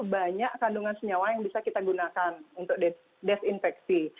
banyak kandungan senyawa yang bisa kita gunakan untuk desinfeksi